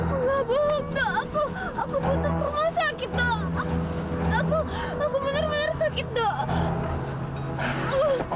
aku butuh pemasak do